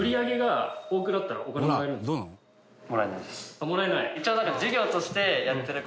あっもらえない？